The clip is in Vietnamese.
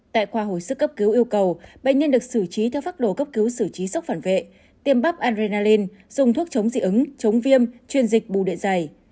tại khoa hồi sức cấp cứu yêu cầu bệnh nhân được xử trí theo pháp đồ cấp cứu xử trí sốc phản vệ tiêm bắp andrenalin dùng thuốc chống dị ứng chống viêm chuyên dịch bù đệ giày